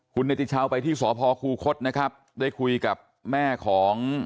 คุณเนติชาวไปที่สพคูคศนะครับได้คุยกับแม่ของ